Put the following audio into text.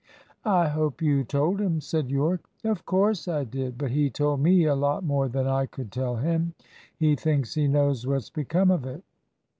"I hope you told him," said Yorke. "Of course I did; but he told me a lot more than I could tell him. He thinks he knows what's become of it."